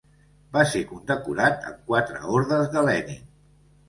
Va ser condecorat amb quatre ordes de Lenin.